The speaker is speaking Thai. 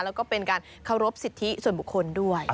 แล้วก็เป็นการเคารพสิทธิส่วนบุคคลด้วย